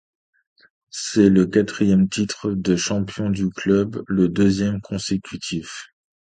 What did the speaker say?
C’est le quatrième titre de champion du club, le deuxième consécutif.